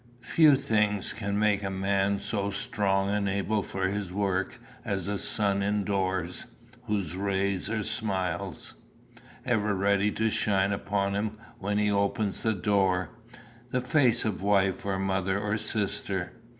Few things can make a man so strong and able for his work as a sun indoors, whose rays are smiles, ever ready to shine upon him when he opens the door, the face of wife or mother or sister.